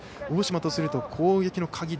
大島とすると攻撃の鍵